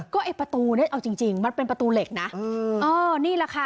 ก็ไอ้ประตูเนี่ยเอาจริงจริงมันเป็นประตูเหล็กนะเออนี่แหละค่ะ